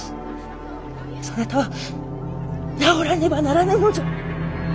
そなたは治らねばならぬのじゃ！